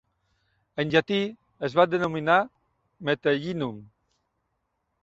En llatí, es va denominar "Metellinum".